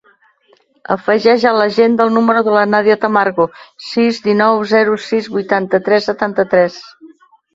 Afegeix a l'agenda el número de la Nàdia Tamargo: sis, dinou, zero, sis, vuitanta-tres, setanta-tres.